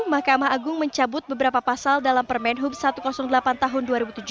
mahkamah agung mencabut beberapa pasal dalam permen hub satu ratus delapan tahun dua ribu tujuh belas